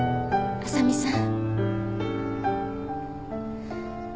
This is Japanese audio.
浅見さん。